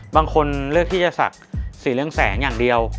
บางคนเลือกที่จะศักดิ์ศรีเรื่องแสงอย่างเดียว